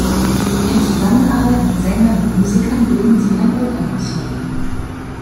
In Zusammenarbeit mit Sängern und Musikern bilden sie ein Opernensemble.